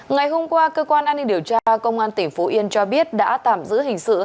ngày hôm qua cơ quan an ninh điều tra công an tỉnh phú yên cho biết đã tạm giữ hình sự